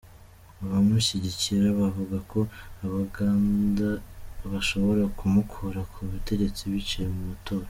Abamushigikira bavuga ko abaganda bashobora kumukura ku butegetsi biciye mu matora.